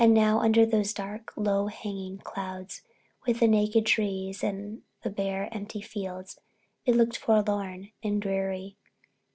Now, under those dark, low hanging clouds with the naked trees and the bare, empty fields, it looked forlorn and dreary.